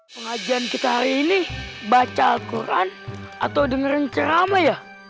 pengajian kita hari ini baca alquran atau dengerin ceramah ya